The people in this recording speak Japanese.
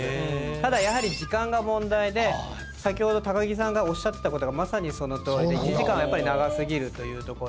ただやはり時間が問題で先ほど木さんがおっしゃってたことがまさにそのとおりで１時間はやっぱり長すぎるという。